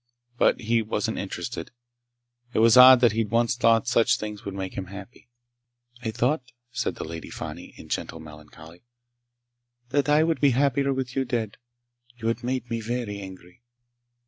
But he wasn't interested. It was odd that he'd once thought such things would make him happy. "I thought," said the Lady Fani, in gentle melancholy, "that I would be happier with you dead. You had made me very angry.